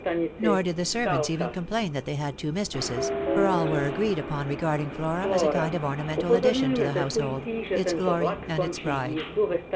Nor did the servants even complain that they had two mistresses, for all were agreed upon regarding Flora as a kind of ornamental addition to the household, its glory and its pride.